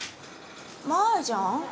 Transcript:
マージャン？